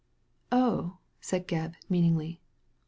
"Oh," said Gebb, meaningly.